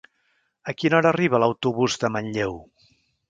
A quina hora arriba l'autobús de Manlleu?